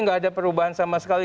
nggak ada perubahan sama sekali